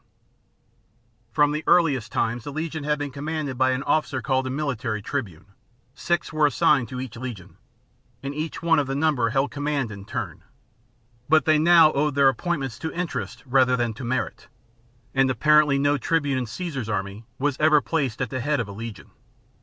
INTRODUCTION xvii From the earliest times the legion had been com manded by an officer called a military tribune. Six were assigned to each legion ; and each one of the number held command in turn. But they now owed their appointments to interest rather than to merit ; and apparently no tribune in Caesar's army was ever placed at the head of a legion.